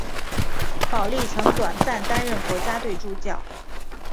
保历曾短暂担任国家队助教。